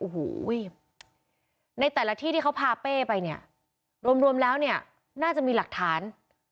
โอ้โหในแต่ละที่ที่เขาพาเป้ไปเนี่ยรวมแล้วเนี่ยน่าจะมีหลักฐาน